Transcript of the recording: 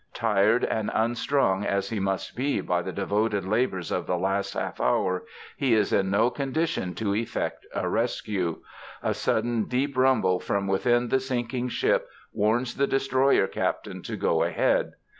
Tired and unstrung as he must be by the devoted labors of the last half hour, he is in no condition to effect a rescue. A sudden deep rumble from within the sinking ship warns the destroyer captain to go ahead.